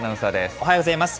おはようございます。